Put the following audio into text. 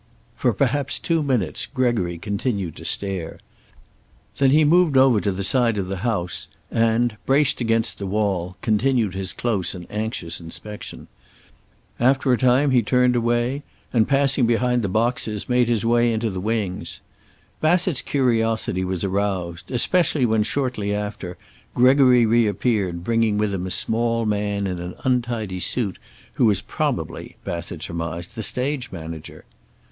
For perhaps two minutes Gregory continued to stare. Then he moved over to the side of the house and braced against the wall continued his close and anxious inspection. After a time he turned away and, passing behind the boxes, made his way into the wings. Bassett's curiosity was aroused, especially when, shortly after, Gregory reappeared, bringing with him a small man in an untidy suit who was probably, Bassett surmised, the stage manager.